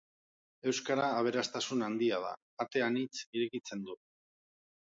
Euskara aberasatun handia da, ate anitz irekitzen ditu.